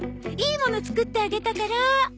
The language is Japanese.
いいもの作ってあげたから。